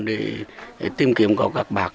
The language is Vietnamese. để tìm kiếm có gạc bạc